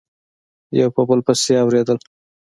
یو په بل پسي اوریدل